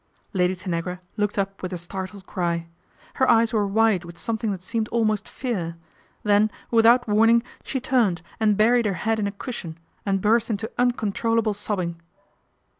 Lady Tanagra looked up with a startled cry. Her eyes were wide with something that seemed almost fear, then without warning she turned and buried her head in a cushion and burst into uncon trollable sobbing.